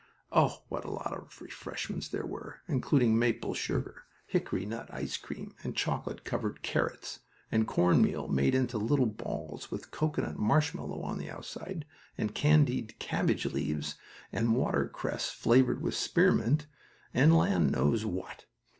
Oh, what a lot of refreshments there were, including maple sugar, hickorynut ice cream and chocolate covered carrots, and cornmeal made into little balls with cocoanut marshmallow on the outside, and candied cabbage leaves, and water cress flavored with spearmint, and the land knows what!